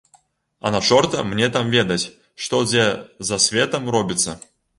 А на чорта мне там ведаць, што дзе за светам робіцца.